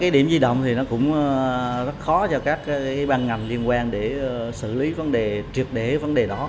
điểm di động cũng rất khó cho các băng ngầm liên quan để xử lý vấn đề truyệt để vấn đề đó